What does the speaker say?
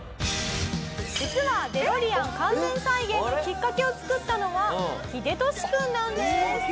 実はデロリアン完全再現のきっかけを作ったのはヒデトシ君なんです。